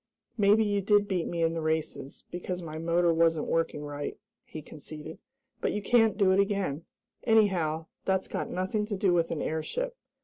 "Maybe you did beat me in the races, because my motor wasn't working right," he conceded, "but you can't do it again. Anyhow, that's got nothing to do with an airship.